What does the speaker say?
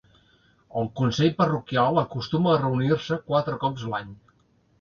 El consell parroquial acostuma a reunir-se quatre cops l'any.